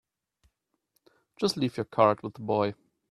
Just leave your card with the boy.